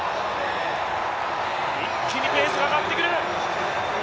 一気にペースが上がってくる！